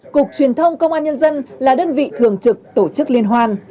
cục truyền thông công an nhân dân là đơn vị thường trực tổ chức liên hoan